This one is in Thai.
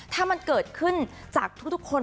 ถ้ามันเกิดขึ้นจากทุกคน